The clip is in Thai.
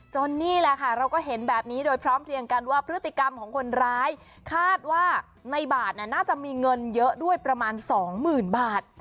นี่แหละค่ะเราก็เห็นแบบนี้โดยพร้อมเพียงกันว่าพฤติกรรมของคนร้ายคาดว่าในบาทน่าจะมีเงินเยอะด้วยประมาณสองหมื่นบาท